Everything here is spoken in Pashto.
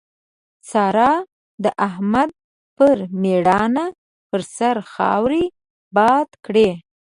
سارا د احمد پر ميړانه پر سر خاورې باد کړې.